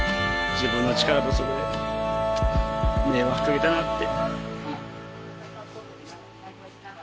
自分の力不足で迷惑かけたなって。